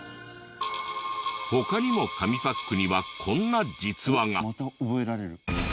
他にも紙パックにはこんな「実は」が。